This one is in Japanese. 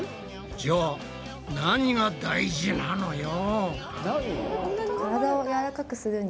じゃあ何が大事なのよ？